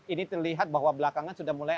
ini terlihat bahwa belakangan sudah mulai